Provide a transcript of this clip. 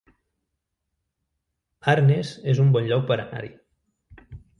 Arnes es un bon lloc per anar-hi